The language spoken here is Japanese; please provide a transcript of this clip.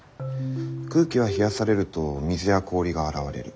空気は冷やされると水や氷が現れる。